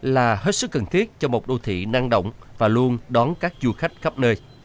là hết sức cần thiết cho một đô thị năng động và luôn đón các du khách khắp nơi